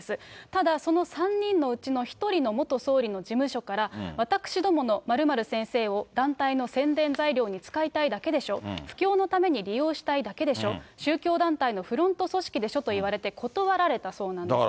ただ、その３人のうちの１人の元総理の事務所から、私どもの○○先生を、団体の宣伝材料に使いたいだけでしょ、布教のために利用したいだけでしょ、宗教団体のフロント組織でしょと言われて断られたそうなんです。